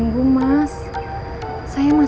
nggak mau kerjasama sama dia lagi